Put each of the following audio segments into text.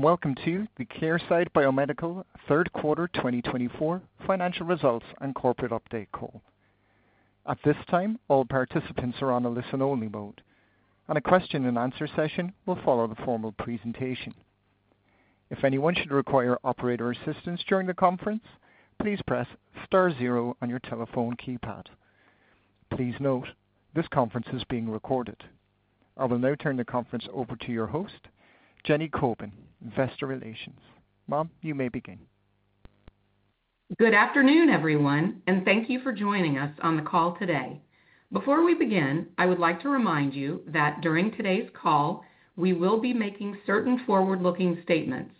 Welcome to the Clearside Biomedical Q3 2024 Financial Results and Corporate Update call. At this time, all participants are on a listen-only mode, and a question-and-answer session will follow the formal presentation. If anyone should require operator assistance during the conference, please press star zero on your telephone keypad. Please note this conference is being recorded. I will now turn the conference over to your host, Jenny Kobin, Investor Relations. Ma'am, you may begin. Good afternoon, everyone, and thank you for joining us on the call today. Before we begin, I would like to remind you that during today's call, we will be making certain forward-looking statements.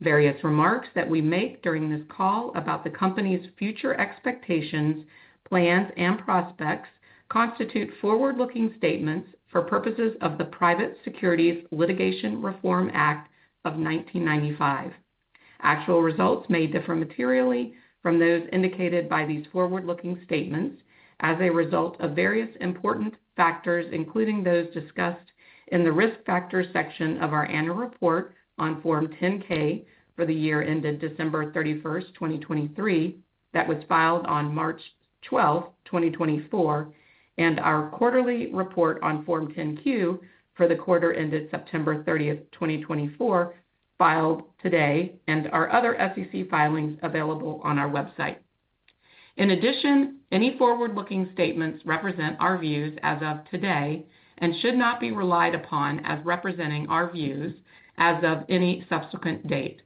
Various remarks that we make during this call about the company's future expectations, plans, and prospects constitute forward-looking statements for purposes of the Private Securities Litigation Reform Act of 1995. Actual results may differ materially from those indicated by these forward-looking statements as a result of various important factors, including those discussed in the risk factor section of our annual report on Form 10-K for the year ended December 31, 2023, that was filed on March 12, 2024, and our quarterly report on Form 10-Q for the quarter ended September 30, 2024, filed today, and our other SEC filings available on our website. In addition, any forward-looking statements represent our views as of today and should not be relied upon as representing our views as of any subsequent date.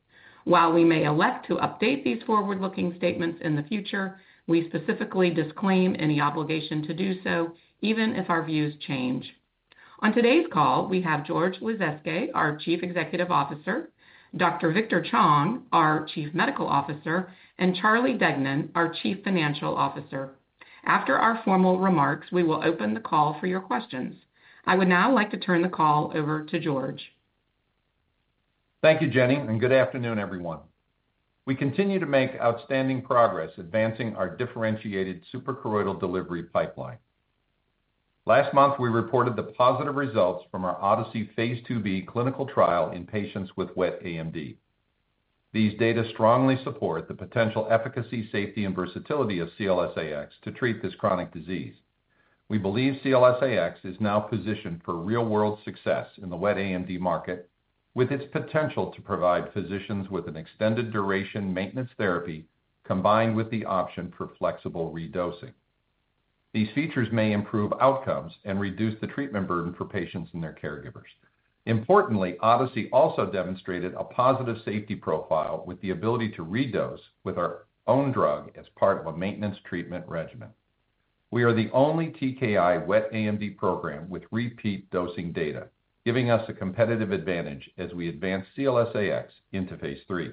While we may elect to update these forward-looking statements in the future, we specifically disclaim any obligation to do so, even if our views change. On today's call, we have George Lasezkay, our Chief Executive Officer, Dr. Victor Chong, our Chief Medical Officer, and Charlie Deignan, our Chief Financial Officer. After our formal remarks, we will open the call for your questions. I would now like to turn the call over to George. Thank you, Jenny, and good afternoon, everyone. We continue to make outstanding progress advancing our differentiated suprachoroidal delivery pipeline. Last month, we reported the positive results from our Odyssey phase 2b clinical trial in patients with wet AMD. These data strongly support the potential efficacy, safety, and versatility of CLS-AX to treat this chronic disease. We believe CLS-AX is now positioned for real-world success in the wet AMD market, with its potential to provide physicians with an extended duration maintenance therapy combined with the option for flexible redosing. These features may improve outcomes and reduce the treatment burden for patients and their caregivers. Importantly, Odyssey also demonstrated a positive safety profile with the ability to redose with our own drug as part of a maintenance treatment regimen. We are the only TKI wet AMD program with repeat dosing data, giving us a competitive advantage as we advance CLS-AX into phase 3.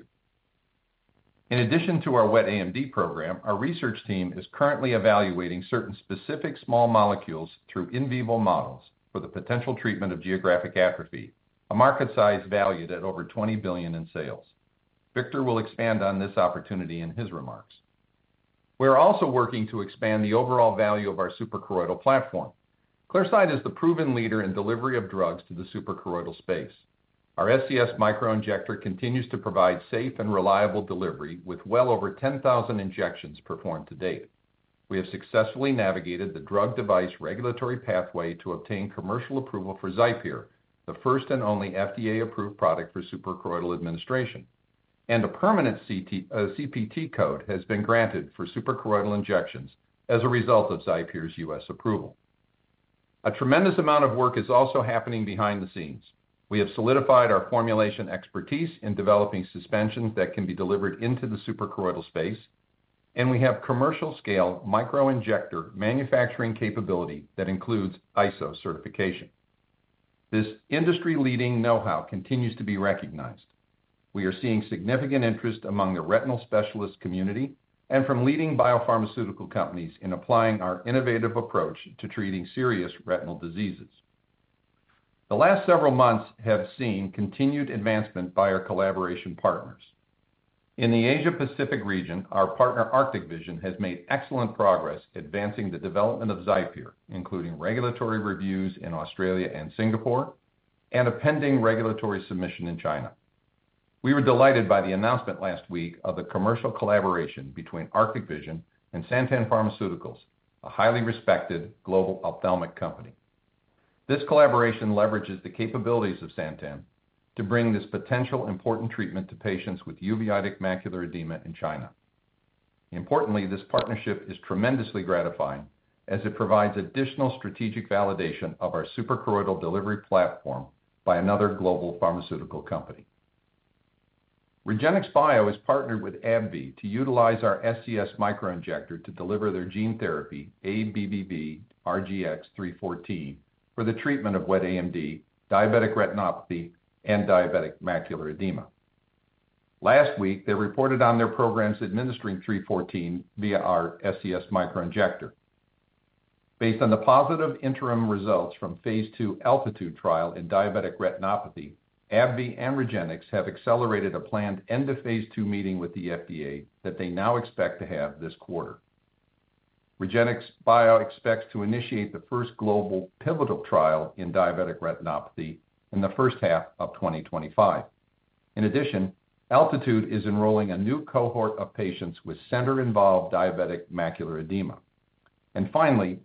In addition to our wet AMD program, our research team is currently evaluating certain specific small molecules through in vivo models for the potential treatment of geographic atrophy, a market size valued at over $20 billion in sales. Victor will expand on this opportunity in his remarks. We are also working to expand the overall value of our suprachoroidal platform. Clearside is the proven leader in delivery of drugs to the suprachoroidal space. Our SCS microinjector continues to provide safe and reliable delivery with well over 10,000 injections performed to date. We have successfully navigated the drug-device regulatory pathway to obtain commercial approval for XIPERE, the first and only FDA-approved product for suprachoroidal administration, and a permanent CPT code has been granted for suprachoroidal injections as a result of XIPERE's U.S. approval. A tremendous amount of work is also happening behind the scenes. We have solidified our formulation expertise in developing suspensions that can be delivered into the suprachoroidal space, and we have commercial-scale microinjector manufacturing capability that includes ISO certification. This industry-leading know-how continues to be recognized. We are seeing significant interest among the retinal specialist community and from leading biopharmaceutical companies in applying our innovative approach to treating serious retinal diseases. The last several months have seen continued advancement by our collaboration partners. In the Asia-Pacific region, our partner Arctic Vision has made excellent progress advancing the development of XIPERE, including regulatory reviews in Australia and Singapore and a pending regulatory submission in China. We were delighted by the announcement last week of the commercial collaboration between Arctic Vision and Santen Pharmaceuticals, a highly respected global ophthalmic company. This collaboration leverages the capabilities of Santen to bring this potential important treatment to patients with uveitic macular edema in China. Importantly, this partnership is tremendously gratifying as it provides additional strategic validation of our suprachoroidal delivery platform by another global pharmaceutical company. REGENXBIO has partnered with AbbVie to utilize our SCS Microinjector to deliver their gene therapy ABBV-RGX-314 for the treatment of wet AMD, diabetic retinopathy, and diabetic macular edema. Last week, they reported on their programs administering 314 via our SCS Microinjector. Based on the positive interim results from phase 2 Altitude Trial in diabetic retinopathy, AbbVie and REGENXBIO have accelerated a planned end-of-phase 2 meeting with the FDA that they now expect to have this quarter. REGENXBIO expects to initiate the first global pivotal trial in diabetic retinopathy in the first half of 2025. In addition, Altitude is enrolling a new cohort of patients with center-involved diabetic macular edema. Finally,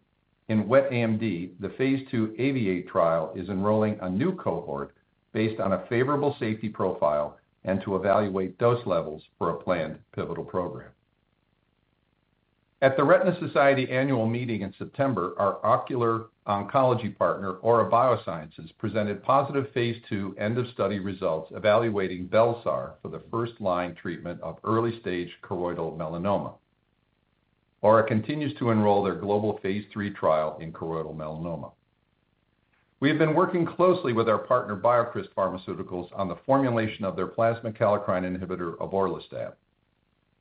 in wet AMD, the phase 2 AAVIATE trial is enrolling a new cohort based on a favorable safety profile and to evaluate dose levels for a planned pivotal program. At the Retina Society annual meeting in September, our ocular oncology partner, Aura Biosciences, presented positive phase 2 end-of-study results evaluating bel-sar for the first-line treatment of early-stage choroidal melanoma. Aura continues to enroll their global phase 3 trial in choroidal melanoma. We have been working closely with our partner BioCryst Pharmaceuticals on the formulation of their plasma kallikrein inhibitor, Avoralstat.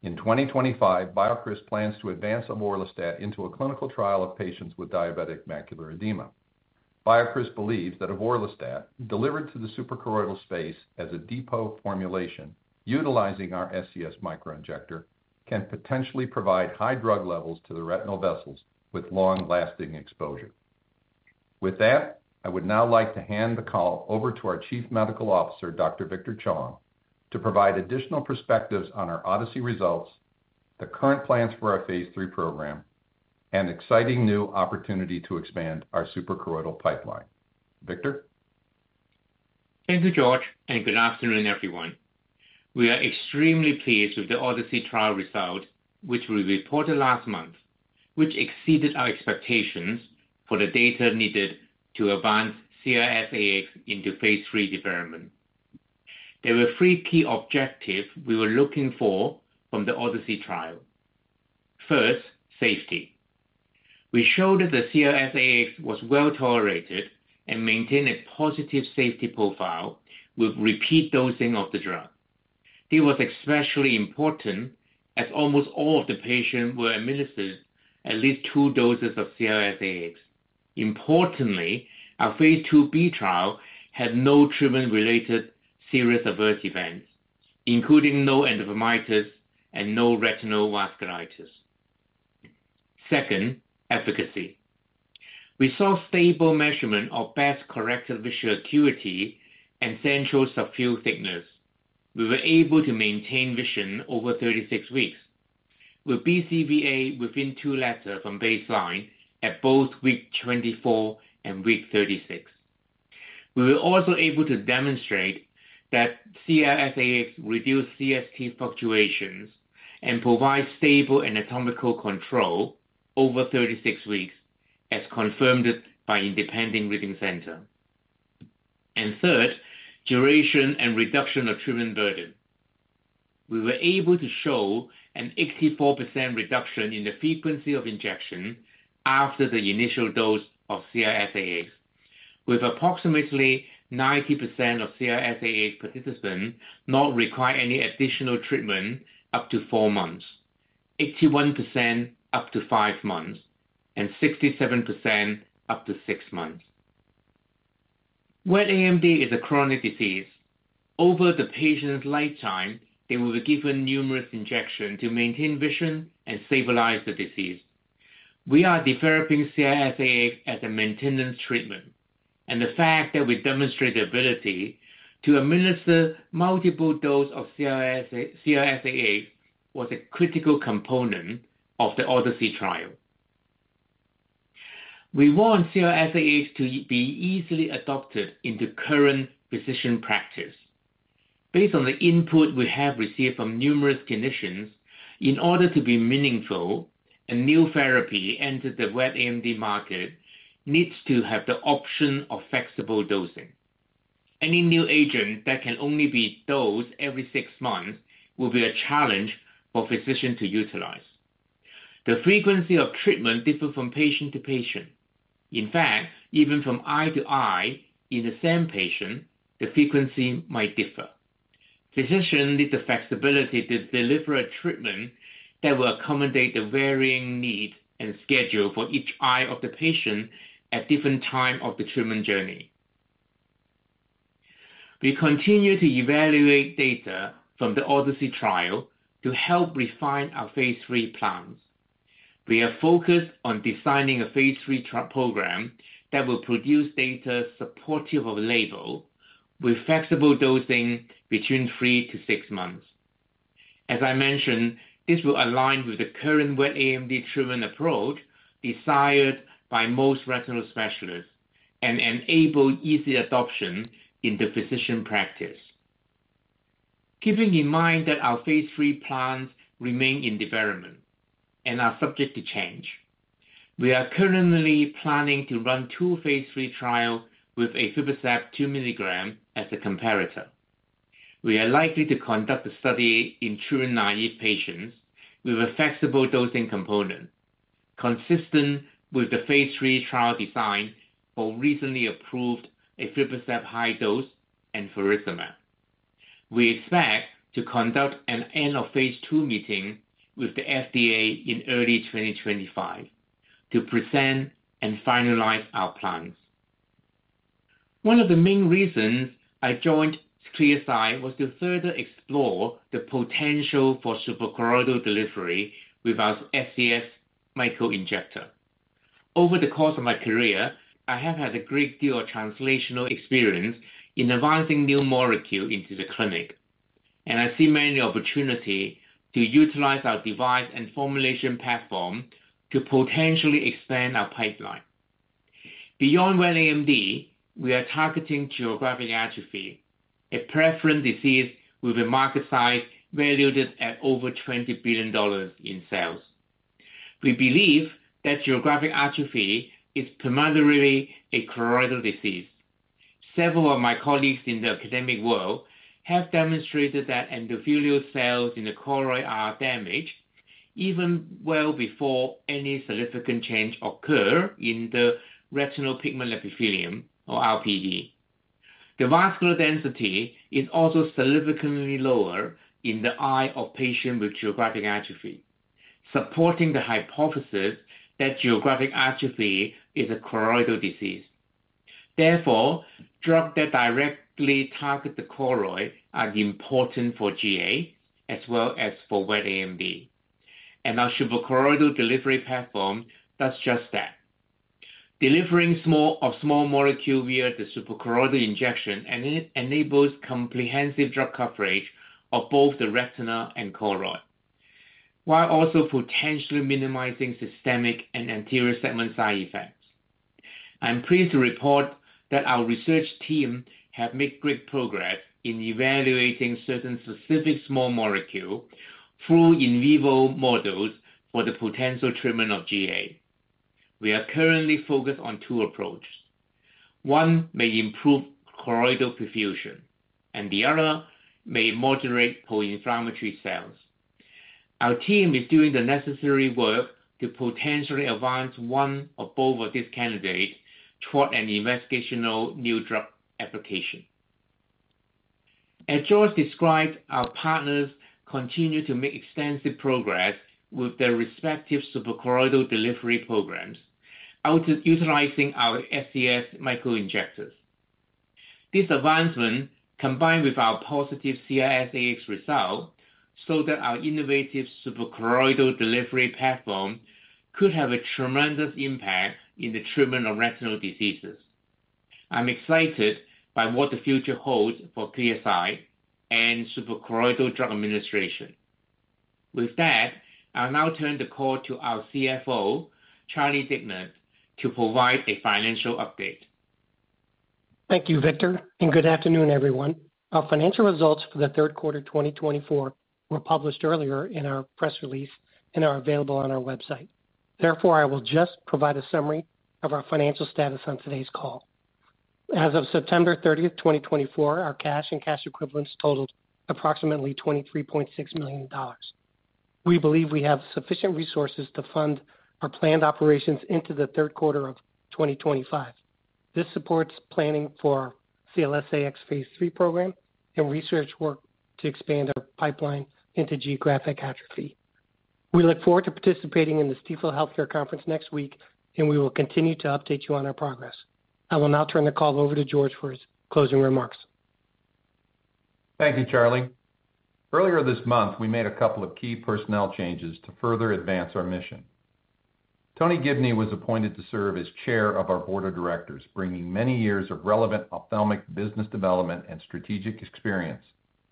In 2025, BioCryst plans to advance Avoralstat into a clinical trial of patients with diabetic macular edema. BioCryst believes that Avoralstat, delivered to the suprachoroidal space as a depot formulation utilizing our SCS Microinjector, can potentially provide high drug levels to the retinal vessels with long-lasting exposure. With that, I would now like to hand the call over to our Chief Medical Officer, Dr. Victor Chong, to provide additional perspectives on our Odyssey results, the current plans for our phase 3 program, and exciting new opportunity to expand our suprachoroidal pipeline. Victor? Thank you, George, and good afternoon, everyone. We are extremely pleased with the Odyssey trial result, which we reported last month, which exceeded our expectations for the data needed to advance CLS-AX into phase 3 development. There were three key objectives we were looking for from the Odyssey trial. First, safety. We showed that the CLS-AX was well tolerated and maintained a positive safety profile with repeat dosing of the drug. This was especially important as almost all of the patients were administered at least two doses of CLS-AX. Importantly, our phase 2b trial had no treatment-related serious adverse events, including no endophthalmitis and no retinal vasculitis. Second, efficacy. We saw stable measurement of best corrected visual acuity and central subfield thickness. We were able to maintain vision over 36 weeks, with BCVA within two letters from baseline at both week 24 and week 36. We were also able to demonstrate that CLS-AX reduced CST fluctuations and provides stable anatomical control over 36 weeks, as confirmed by independent reading center. And third, duration and reduction of treatment burden. We were able to show an 84% reduction in the frequency of injection after the initial dose of CLS-AX, with approximately 90% of CLS-AX participants not requiring any additional treatment up to four months, 81% up to five months, and 67% up to six months. Wet AMD is a chronic disease. Over the patient's lifetime, they will be given numerous injections to maintain vision and stabilize the disease. We are developing CLS-AX as a maintenance treatment, and the fact that we demonstrated the ability to administer multiple doses of CLS-AX was a critical component of the Odyssey trial. We want CLS-AX to be easily adopted into current physician practice. Based on the input we have received from numerous clinicians, in order to be meaningful, a new therapy entering the wet AMD market needs to have the option of flexible dosing. Any new agent that can only be dosed every six months will be a challenge for physicians to utilize. The frequency of treatment differs from patient to patient. In fact, even from eye to eye in the same patient, the frequency might differ. Physicians need the flexibility to deliver a treatment that will accommodate the varying needs and schedule for each eye of the patient at different times of the treatment journey. We continue to evaluate data from the Odyssey trial to help refine our phase 3 plans. We are focused on designing a phase 3 program that will produce data supportive of label, with flexible dosing between three to six months. As I mentioned, this will align with the current wet AMD treatment approach desired by most retinal specialists and enable easy adoption in the physician practice. Keeping in mind that our phase 3 plans remain in development and are subject to change, we are currently planning to run two phase 3 trials with aflibercept 2 mg as a comparator. We are likely to conduct the study in true naive patients with a flexible dosing component, consistent with the phase 3 trial design for recently approved aflibercept high dose and faricimab. We expect to conduct an end-of-phase 2 meeting with the FDA in early 2025 to present and finalize our plans. One of the main reasons I joined Clearside was to further explore the potential for suprachoroidal delivery with our SCS microinjector. Over the course of my career, I have had a great deal of translational experience in advancing new molecules into the clinic, and I see many opportunities to utilize our device and formulation platform to potentially expand our pipeline. Beyond wet AMD, we are targeting geographic atrophy, a prevalent disease with a market size valued at over $20 billion in sales. We believe that geographic atrophy is primarily a choroidal disease. Several of my colleagues in the academic world have demonstrated that endothelial cells in the choroid are damaged even well before any significant change occurs in the retinal pigment epithelium, or RPE. The vascular density is also significantly lower in the eye of patients with geographic atrophy, supporting the hypothesis that geographic atrophy is a choroidal disease. Therefore, drugs that directly target the choroid are important for GA as well as for wet AMD, and our suprachoroidal delivery platform does just that. Delivering small molecules via the suprachoroidal injection enables comprehensive drug coverage of both the retina and choroid, while also potentially minimizing systemic and anterior segment side effects. I'm pleased to report that our research team has made great progress in evaluating certain specific small molecules through in vivo models for the potential treatment of GA. We are currently focused on two approaches. One may improve choroidal perfusion, and the other may moderate pro-inflammatory cells. Our team is doing the necessary work to potentially advance one or both of these candidates toward an investigational new drug application. As George described, our partners continue to make extensive progress with their respective suprachoroidal delivery programs, utilizing our SCS Microinjectors. This advancement, combined with our positive CLS-AX result, showed that our innovative suprachoroidal delivery platform could have a tremendous impact in the treatment of retinal diseases. I'm excited by what the future holds for Clearside and suprachoroidal drug administration. With that, I'll now turn the call to our CFO, Charlie Deignan, to provide a financial update. Thank you, Victor, and good afternoon, everyone. Our financial results for the third quarter 2024 were published earlier in our press release and are available on our website. Therefore, I will just provide a summary of our financial status on today's call. As of September 30, 2024, our cash and cash equivalents totaled approximately $23.6 million. We believe we have sufficient resources to fund our planned operations into the third quarter of 2025. This supports planning for our CLS-AX phase 3 program and research work to expand our pipeline into geographic atrophy. We look forward to participating in the Stifel Healthcare Conference next week, and we will continue to update you on our progress. I will now turn the call over to George for his closing remarks. Thank you, Charlie. Earlier this month, we made a couple of key personnel changes to further advance our mission. Tony Gibney was appointed to serve as Chair of our Board of Directors, bringing many years of relevant ophthalmic business development and strategic experience,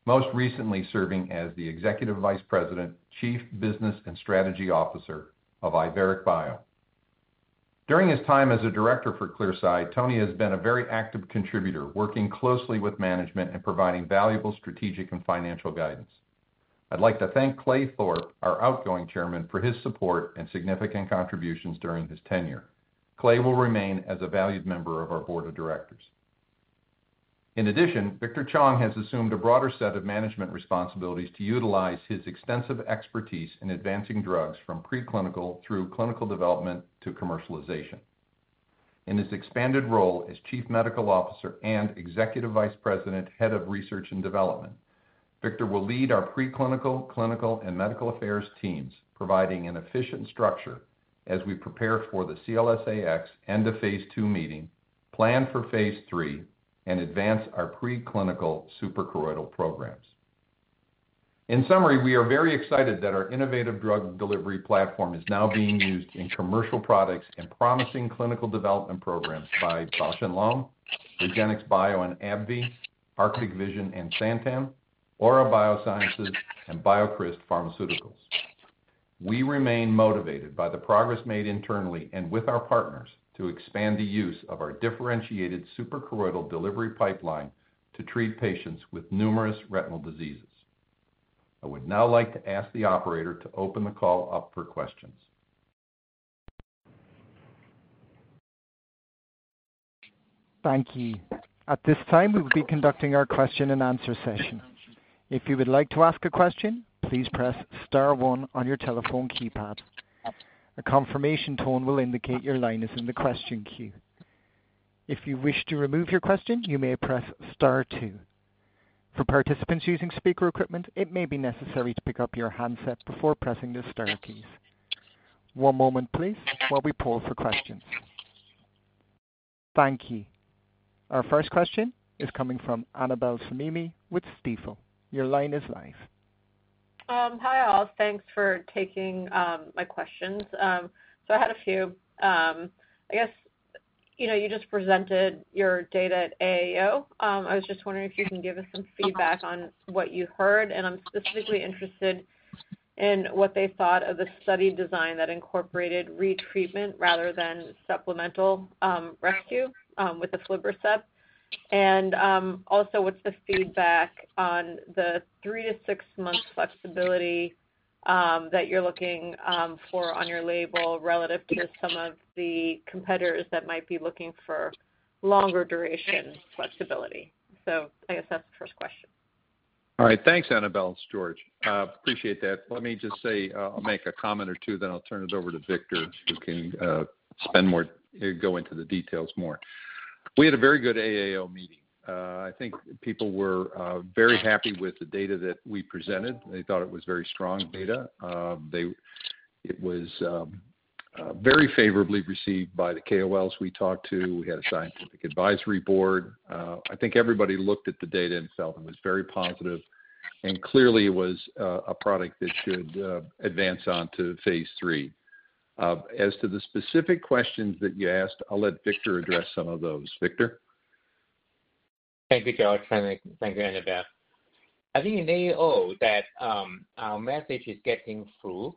most recently serving as the Executive Vice President, Chief Business and Strategy Officer of Iveric Bio. During his time as a Director for Clearside, Tony has been a very active contributor, working closely with management and providing valuable strategic and financial guidance. I'd like to thank Clay Thorp, our outgoing Chairman, for his support and significant contributions during his tenure. Clay will remain as a valued member of our Board of Directors. In addition, Victor Chong has assumed a broader set of management responsibilities to utilize his extensive expertise in advancing drugs from preclinical through clinical development to commercialization. In his expanded role as Chief Medical Officer and Executive Vice President, Head of Research and Development, Victor will lead our preclinical, clinical, and medical affairs teams, providing an efficient structure as we prepare for the CLS-AX and the phase 2 meeting, plan for phase 3, and advance our preclinical suprachoroidal programs. In summary, we are very excited that our innovative drug delivery platform is now being used in commercial products and promising clinical development programs by Bausch + Lomb, REGENXBIO and AbbVie, Arctic Vision and Santen, Aura Biosciences, and BioCryst Pharmaceuticals. We remain motivated by the progress made internally and with our partners to expand the use of our differentiated suprachoroidal delivery pipeline to treat patients with numerous retinal diseases. I would now like to ask the operator to open the call up for questions. Thank you. At this time, we will be conducting our question-and-answer session. If you would like to ask a question, please press Star 1 on your telephone keypad. A confirmation tone will indicate your line is in the question queue. If you wish to remove your question, you may press Star 2. For participants using speaker equipment, it may be necessary to pick up your handset before pressing the Star keys. One moment, please, while we poll for questions. Thank you. Our first question is coming from Annabel Samimy with Stifel. Your line is live. Hi, all. Thanks for taking my questions. So I had a few. I guess you just presented your data at AAO. I was just wondering if you can give us some feedback on what you heard. And I'm specifically interested in what they thought of the study design that incorporated retreatment rather than supplemental rescue with aflibercept. And also, what's the feedback on the three to six months flexibility that you're looking for on your label relative to some of the competitors that might be looking for longer duration flexibility? So I guess that's the first question. All right. Thanks, Annabel. It's George. Appreciate that. Let me just say I'll make a comment or two, then I'll turn it over to Victor, who can spend more and go into the details more. We had a very good AAO meeting. I think people were very happy with the data that we presented. They thought it was very strong data. It was very favorably received by the KOLs we talked to. We had a scientific advisory board. I think everybody looked at the data and felt it was very positive. And clearly, it was a product that should advance on to phase 3. As to the specific questions that you asked, I'll let Victor address some of those. Victor? Thank you, George. Thank you, Annabel. I think in AAO that our message is getting through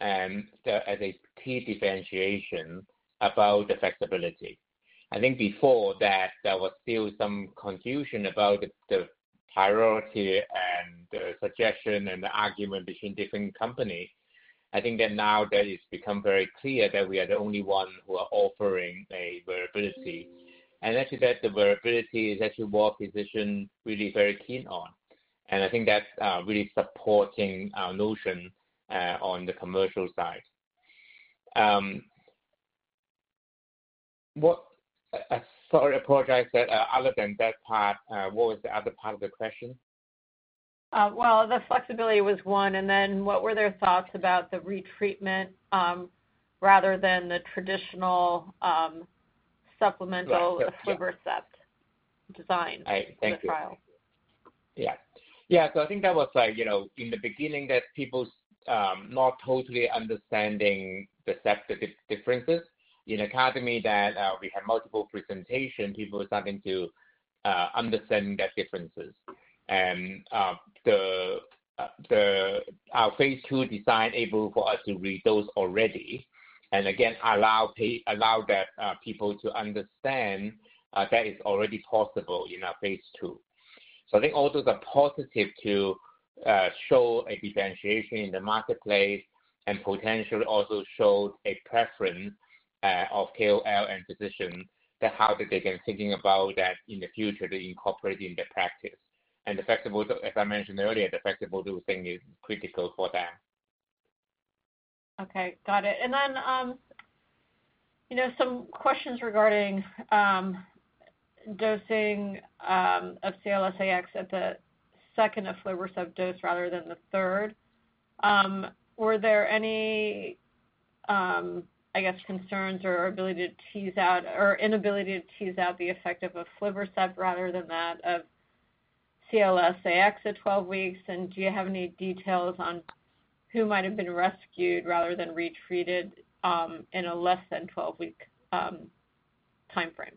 as a key differentiation about the flexibility. I think before that, there was still some confusion about the priority and the suggestion and the argument between different companies. I think that now that it's become very clear that we are the only ones who are offering a variability, and actually, that the variability is actually what physicians really are very keen on, and I think that's really supporting our notion on the commercial side. Sorry, I apologize. Other than that part, what was the other part of the question? The flexibility was one. And then what were their thoughts about the retreatment rather than the traditional supplemental Aflibercept design in the trial? Yeah. Yeah. So I think that was in the beginning that people not totally understanding the separate differences. In academia, that we had multiple presentations, people were starting to understand that differences. And our phase 2 design enabled for us to read those already. And again, allow that people to understand that it's already possible in our phase 2. So I think all those are positive to show a differentiation in the marketplace and potentially also showed a preference of KOL and physicians that how they can think about that in the future to incorporate in their practice. And as I mentioned earlier, the flexible dosing is critical for them. Okay. Got it. And then some questions regarding dosing of CLS-AX at the second Aflibercept dose rather than the third. Were there any, I guess, concerns or inability to tease out the effect of Aflibercept rather than that of CLS-AX at 12 weeks? And do you have any details on who might have been rescued rather than retreated in a less than 12-week timeframe?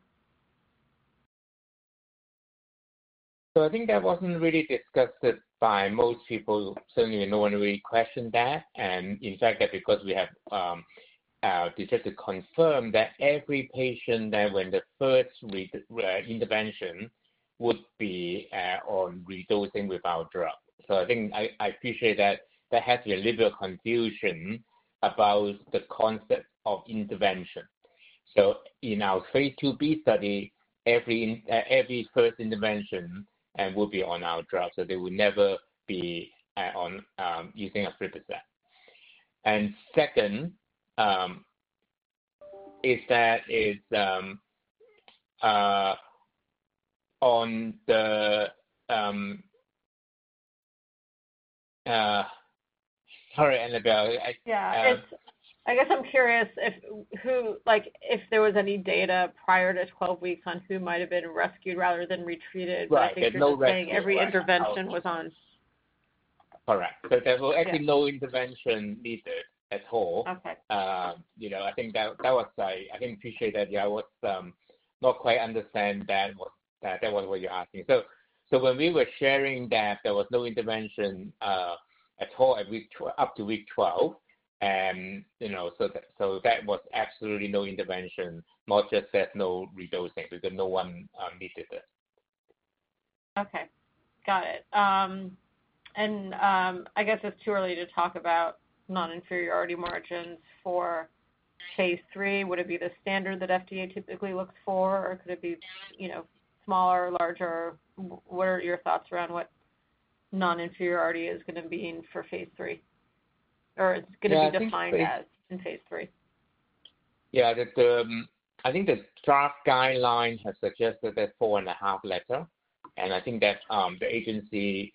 So I think that wasn't really discussed by most people. Certainly, no one really questioned that. And in fact, that's because we have decided to confirm that every patient that when the first intervention would be on redosing with our drug. So I think I appreciate that there has been a little bit of confusion about the concept of intervention. So in our phase 2b study, every first intervention will be on our drug. So they will never be using Aflibercept. And second is that on the, sorry, Annabel. Yeah. I guess I'm curious if there was any data prior to 12 weeks on who might have been rescued rather than retreated by presuming every intervention was on? Correct. So there was actually no intervention needed at all. I think that was—I can appreciate that you were not quite understanding that was what you're asking. So when we were sharing that there was no intervention at all up to week 12. So that was absolutely no intervention, not just that no redosing because no one needed it. Okay. Got it. And I guess it's too early to talk about non-inferiority margins for phase 3. Would it be the standard that FDA typically looks for, or could it be smaller or larger? What are your thoughts around what non-inferiority is going to mean for phase 3? Or it's going to be defined as in phase 3? Yeah. I think the draft guideline has suggested a four-and-a-half letter, and I think that the agency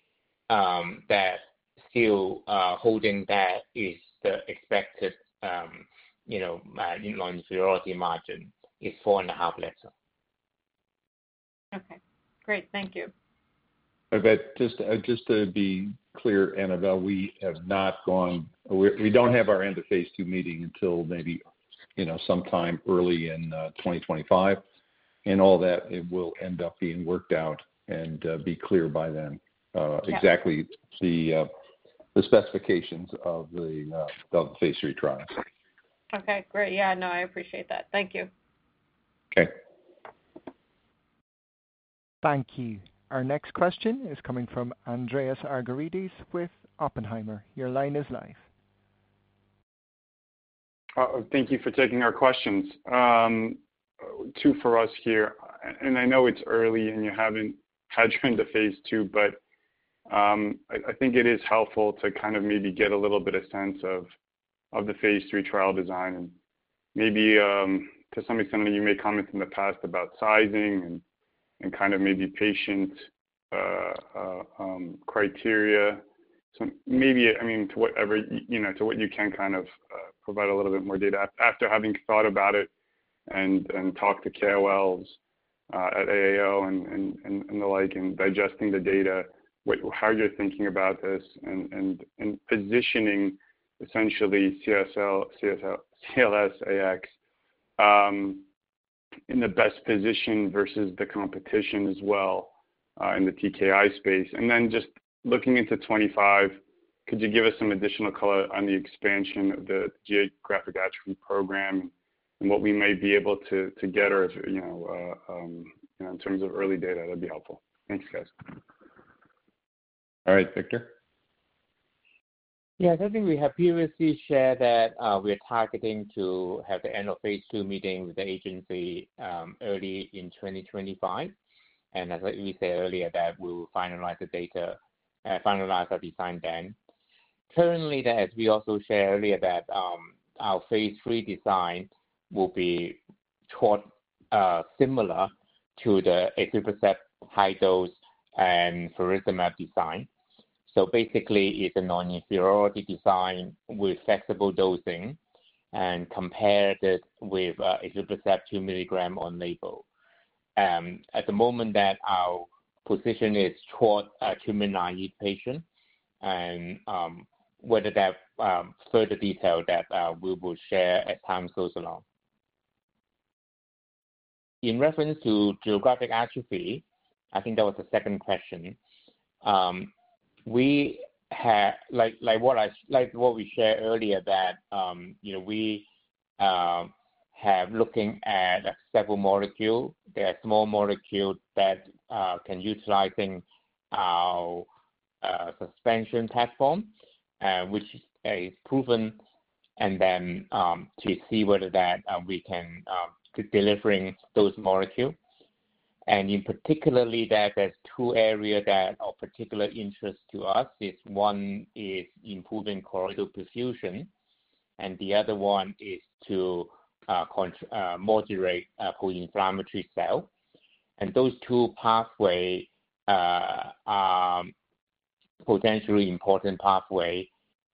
that's still holding that is the expected non-inferiority margin is four-and-a-half letter. Okay. Great. Thank you. Just to be clear, Annabel, we have not gone, we don't have our end of phase 2 meeting until maybe sometime early in 2025. And all that will end up being worked out and be clear by then, exactly the specifications of the phase 3 trials. Okay. Great. Yeah. No, I appreciate that. Thank you. Okay. Thank you. Our next question is coming from Andreas Argyrides with Oppenheimer. Your line is live. Thank you for taking our questions. Two for us here. And I know it's early and you haven't had your end of phase 2, but I think it is helpful to kind of maybe get a little bit of sense of the phase 3 trial design. And maybe to some extent, you made comments in the past about sizing and kind of maybe patient criteria. So maybe, I mean, to whatever-to what you can kind of provide a little bit more data after having thought about it and talked to KOLs at AAO and the like and digesting the data, how you're thinking about this and positioning essentially CLS-AX in the best position versus the competition as well in the TKI space. Then just looking into 2025, could you give us some additional color on the expansion of the Geographic Atrophy program and what we may be able to get or in terms of early data? That'd be helpful. Thanks, guys. All right. Victor? Yes. I think we have previously shared that we are targeting to have the end of phase 2 meeting with the agency early in 2025, and as we said earlier, that we will finalize the data and finalize our design then. Currently, as we also shared earlier, that our phase 3 design will be thought similar to the Aflibercept high-dose and Faricimab design, so basically, it's a non-inferiority design with flexible dosing and compared with Aflibercept 2 milligram on label. At the moment that our position is thought to minor need patients, and whether that further detail that we will share as time goes along. In reference to geographic atrophy, I think that was the second question. Like what we shared earlier, that we have looking at several molecules. There are small molecules that can utilize our suspension platform, which is proven. And then to see whether that we can delivering those molecules. And in particularly, there's two areas that are of particular interest to us. One is improving choroidal perfusion, and the other one is to moderate pro-inflammatory cell. And those two pathways are potentially important pathways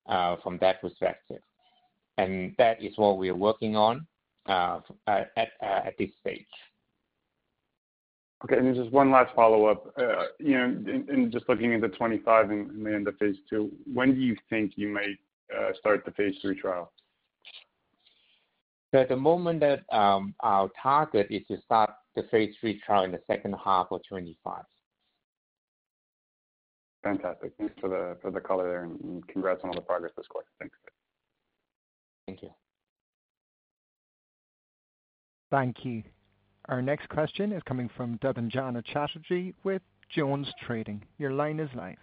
from that perspective. And that is what we are working on at this stage. Okay. And just one last follow-up. And just looking into 2025 and the end of phase 2, when do you think you might start the phase 3 trial? At the moment that our target is to start the phase 3 trial in the second half of 2025. Fantastic. Thanks for the color there, and congrats on all the progress this quarter. Thanks. Thank you. Thank you. Our next question is coming from Devanjana Chatterjee with JonesTrading. Your line is live.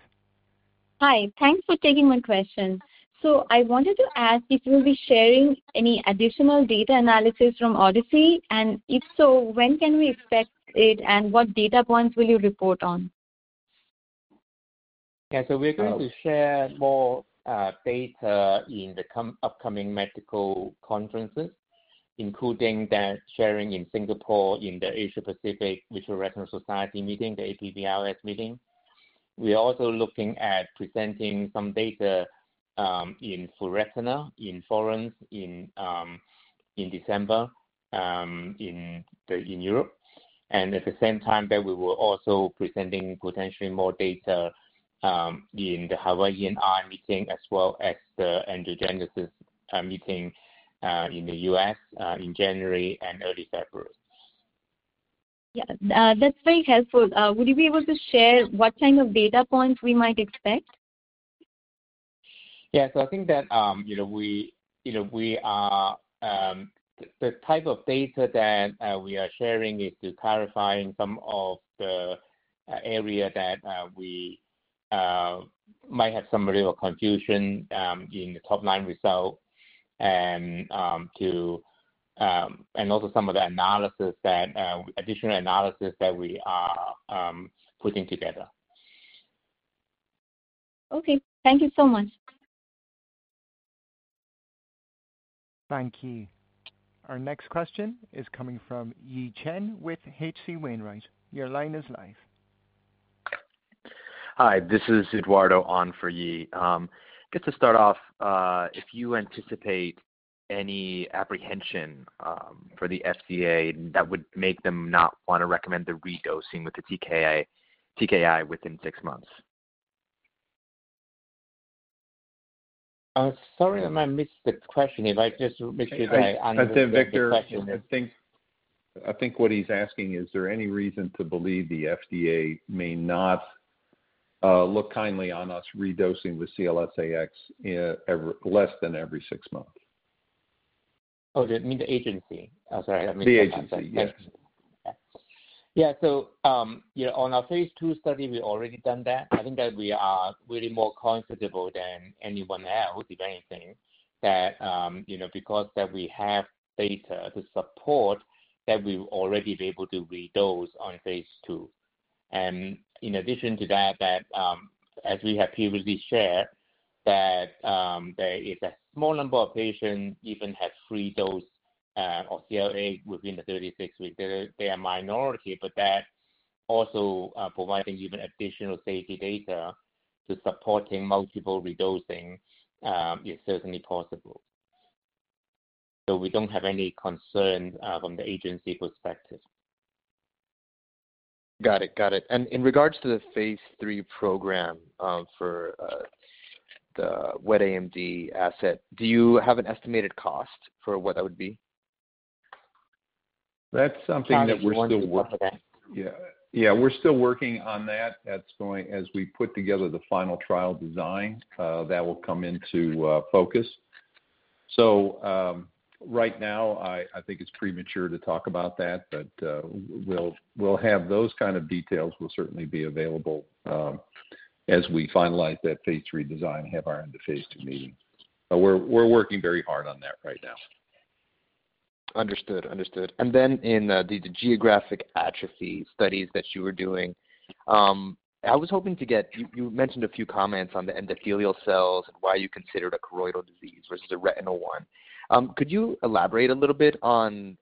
Hi. Thanks for taking my question. So I wanted to ask if you will be sharing any additional data analysis from Odyssey. And if so, when can we expect it, and what data points will you report on? Yeah. So we're going to share more data in the upcoming medical conferences, including sharing in Singapore in the Asia-Pacific Vitreo-retina Society meeting, the APVRS meeting. We are also looking at presenting some data in EURETINA in Florence in December in Europe. And at the same time, that we were also presenting potentially more data in the Hawaiian Eye and Retina meeting as well as the Angiogenesis meeting in the US in January and early February. Yeah. That's very helpful. Would you be able to share what kind of data points we might expect? Yeah. So I think that the type of data that we are sharing is to clarify some of the areas that we might have some real confusion in the top-line results and also some of the additional analysis that we are putting together. Okay. Thank you so much. Thank you. Our next question is coming from Yi Chen with H.C. Wainwright. Your line is live. Hi. This is Eduardo on for Yi Chen. Just to start off, if you anticipate any apprehension for the FDA that would make them not want to recommend the redosing with the TKI within six months? Sorry that I missed the question. If I just make sure that I answered the question. I think what he's asking is, is there any reason to believe the FDA may not look kindly on us redosing with CLS-AX less than every six months? Oh, you mean the agency? I'm sorry. I mean the FDA. The agency. Yeah. Yeah, so on our phase 2 study, we've already done that. I think that we are really more confident than anyone else, if anything, that because we have data to support that we will already be able to redose on phase 2. And in addition to that, as we have previously shared, that if a small number of patients even have repeat dose of CLS-AX within the 36 weeks, they are a minority, but that also providing even additional safety data supporting multiple redosing is certainly possible, so we don't have any concern from the agency perspective. Got it. Got it. And in regards to the phase 3 program for the Wet AMD asset, do you have an estimated cost for what that would be? That's something that we're still working on. Yeah. We're still working on that. As we put together the final trial design, that will come into focus. So right now, I think it's premature to talk about that, but we'll have those kind of details will certainly be available as we finalize that phase 3 design, have our end of phase 2 meeting. We're working very hard on that right now. Understood. And then in the geographic atrophy studies that you were doing, I was hoping to get you mentioned a few comments on the endothelial cells and why you considered a choroidal disease versus a retinal one. Could you elaborate a little bit on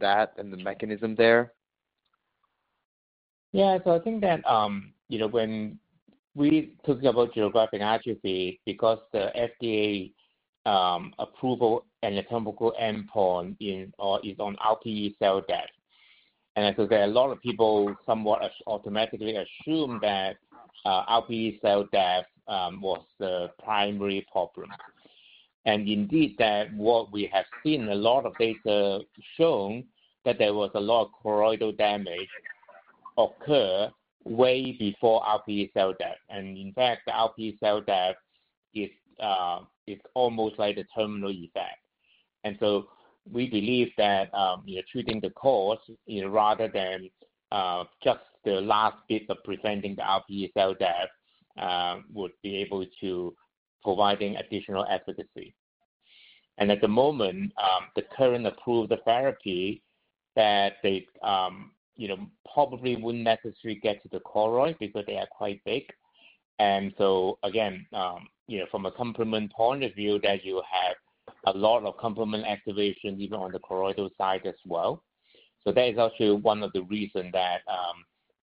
that and the mechanism there? Yeah. I think that when we talk about geographic atrophy, because the FDA approval and the clinical endpoint is on RPE cell death. I think that a lot of people somewhat automatically assume that RPE cell death was the primary problem. Indeed, what we have seen a lot of data showing that there was a lot of choroidal damage occur way before RPE cell death. In fact, the RPE cell death is almost like the terminal effect. We believe that treating the cause rather than just the last bit of preventing the RPE cell death would be able to provide additional efficacy. At the moment, the current approved therapy that they probably wouldn't necessarily get to the choroid because they are quite big. From a complement point of view, you have a lot of complement activation even on the choroidal side as well. That is actually one of the reasons that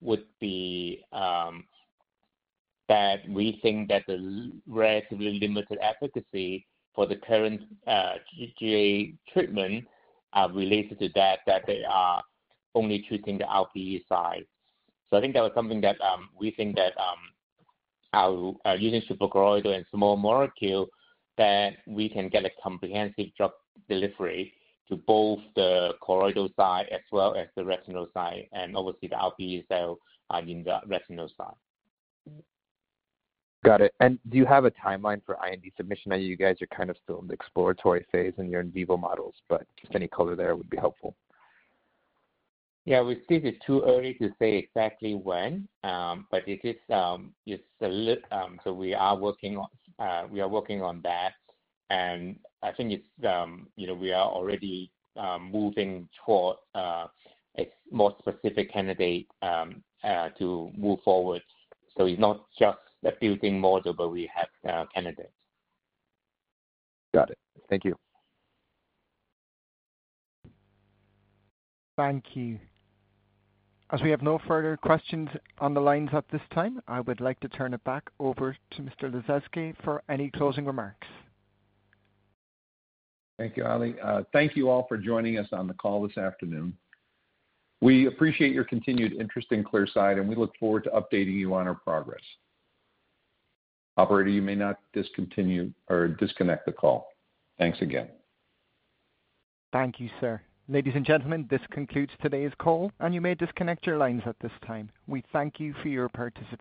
would be that we think that the relatively limited efficacy for the current treatment related to that, that they are only treating the RPE side. I think that was something that we think that using suprachoroidal and small molecule, that we can get a comprehensive drug delivery to both the choroidal side as well as the retinal side and obviously the RPE cell in the retinal side. Got it. And do you have a timeline for IND submission? I know you guys are kind of still in the exploratory phase and you're in vivo models, but just any color there would be helpful. Yeah. We think it's too early to say exactly when, but it is a so we are working on that. And I think we are already moving towards a more specific candidate to move forward. So it's not just a building model, but we have candidates. Got it. Thank you. Thank you. As we have no further questions on the lines at this time, I would like to turn it back over to Mr. Lasezkay for any closing remarks. Thank you, Ali. Thank you all for joining us on the call this afternoon. We appreciate your continued interest in Clearside, and we look forward to updating you on our progress. Operator, you may not disconnect the call. Thanks again. Thank you, sir. Ladies and gentlemen, this concludes today's call, and you may disconnect your lines at this time. We thank you for your participation.